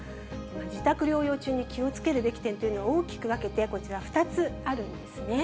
自宅療養中に気をつけるべき点というのは、大きく分けてこちら、２つあるんですね。